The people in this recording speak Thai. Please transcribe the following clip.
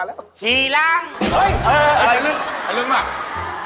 เฮ้ยเธอยังลึกแล้ว